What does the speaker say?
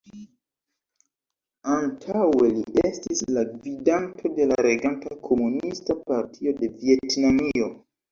Antaŭe li estis la gvidanto de la reganta Komunista Partio de Vjetnamio.